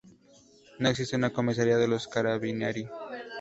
No existe una comisaría de los Carabinieri.